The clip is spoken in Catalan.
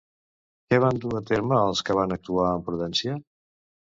Què van dur a terme els que van actuar amb prudència?